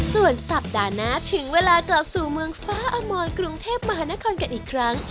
ส่วนสัปดาห์หน้าถึงเวลากลับสู่เมืองฟ้าอมรกรุงเทพมหานครกันอีกครั้ง